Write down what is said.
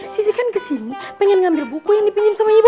sisi kan ke sini pengen ngambil buku yang dipinjam sama ibu